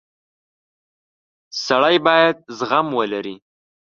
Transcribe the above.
• سړی باید زغم ولري.